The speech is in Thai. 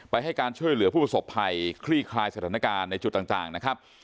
ให้การช่วยเหลือผู้ประสบภัยคลี่คลายสถานการณ์ในจุดต่างนะครับ